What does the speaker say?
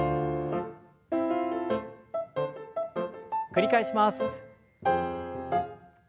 繰り返します。